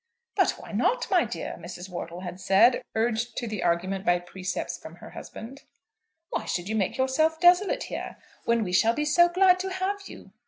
"But why not, my dear?" Mrs. Wortle had said, urged to the argument by precepts from her husband. "Why should you make yourself desolate here, when we shall be so glad to have you?"